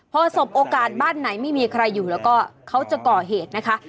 พอสบโอกาสบ้านไหนไม่มีใครอยู่แล้วก็เขาจะก่อเหตุนะคะ